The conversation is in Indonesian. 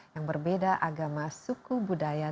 yang berbeda agama suku budaya